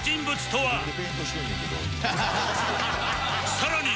さらに